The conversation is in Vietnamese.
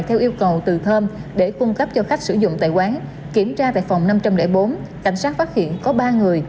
theo yêu cầu từ thơm để cung cấp cho khách sử dụng tại quán kiểm tra tại phòng năm trăm linh bốn cảnh sát phát hiện có ba người